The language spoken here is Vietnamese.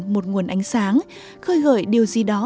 một nguồn ánh sáng khơi gởi điều gì đó